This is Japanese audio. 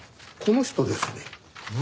この人ですね。